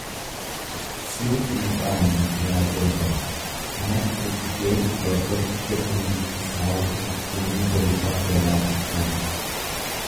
"""Siif ilbaanyi yaa golbaa, anaaf buqgeen dorrobe"" jedhe namichi saawwa dhukkubni golbaa jalaa fixinaan."